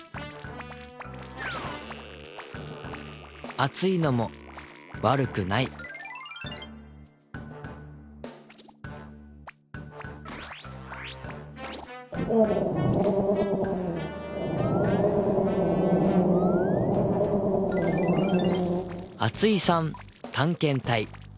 熱いのも悪くないあついさん探検隊。